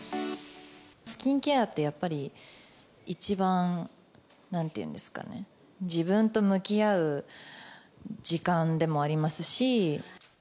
スキンケアってやっぱり、一番、なんて言うんですかね、自分と向き合う時間でもありますし。